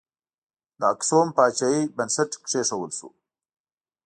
د اکسوم پاچاهۍ بنسټ کښودل شو.